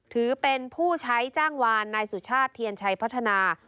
ถือเป็นผู้ใช้จ้างวานนายสุชาติเทียนชัยพัฒนา